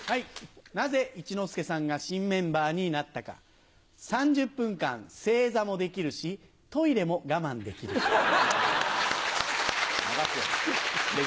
なぜ一之輔さんが新メンバーになったか、３０分間、正座もできるし、トイレも我慢できるから。